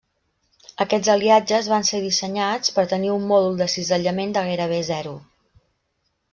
Aquests aliatges van ser dissenyats per tenir un mòdul de cisallament de gairebé zero.